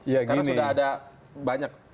karena sudah ada banyak